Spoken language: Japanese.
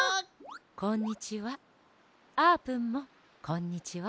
こんにちは。